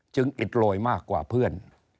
อิดโรยมากกว่าเพื่อน